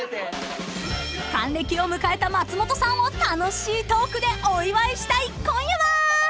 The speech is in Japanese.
［還暦を迎えた松本さんを楽しいトークでお祝いしたい今夜は］